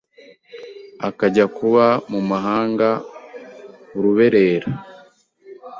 akajya kuba mu mahanga uruberera